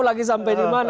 lagi sampai di mana